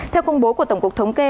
theo công bố của tổng cục thống kê